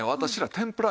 天ぷら？